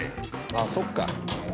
ああそっか。